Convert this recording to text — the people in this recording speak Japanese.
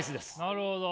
なるほど。